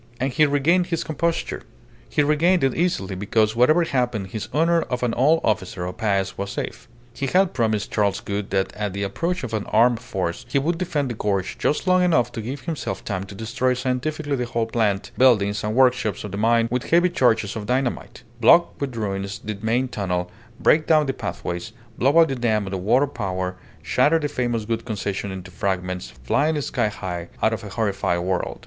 And he regained his composure. He regained it easily, because whatever happened his honour of an old officer of Paez was safe. He had promised Charles Gould that at the approach of an armed force he would defend the gorge just long enough to give himself time to destroy scientifically the whole plant, buildings, and workshops of the mine with heavy charges of dynamite; block with ruins the main tunnel, break down the pathways, blow up the dam of the water power, shatter the famous Gould Concession into fragments, flying sky high out of a horrified world.